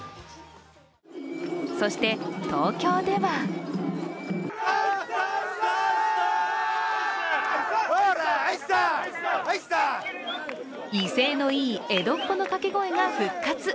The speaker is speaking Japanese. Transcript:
そして東京では威勢のいい江戸っ子の掛け声が復活。